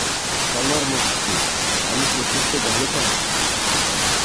আমার মুশকিল, আমি শচীশকে জানিতাম না।